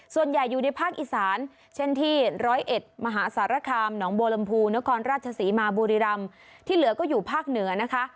ส่วนใหญ่อยู่ในภาคอีสานเช่นที่ร้อยเอ็ดมหาสารคามหนองบัวลำพูนครราชศรีมาบุรีรำที่เหลือก็อยู่ภาคเหนือนะคะ